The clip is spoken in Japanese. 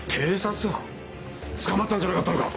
捕まったんじゃなかったのか？